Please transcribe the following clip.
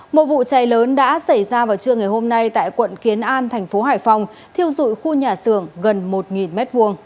một vụ cháy lớn đã xảy ra vào trưa ngày hôm nay tại quận kiến an thành phố hải phòng thiêu dụi khu nhà xưởng gần một m hai